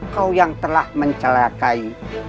kau yang telah mencelakai